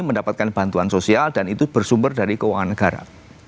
mendapatkan bantuan sosial dan itu bersumber dari keuangan negara